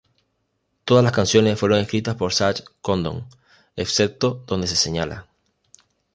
Todas las canciones fueron escritas por Zach Condon, excepto donde se señala.